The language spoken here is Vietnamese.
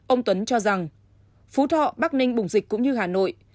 ông tuấn cho rằng phú thọ bắc ninh bùng dịch cũng như hà nội